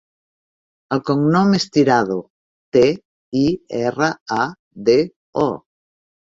El cognom és Tirado: te, i, erra, a, de, o.